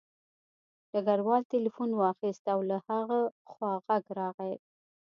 ډګروال تیلیفون واخیست او له هغه خوا غږ راغی